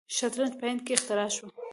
شطرنج په هند کې اختراع شوی.